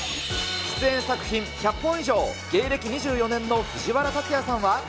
出演作品１００本以上、芸歴２４年の藤原竜也さんは。